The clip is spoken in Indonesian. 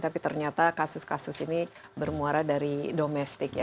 tapi ternyata kasus kasus ini bermuara dari domestik ya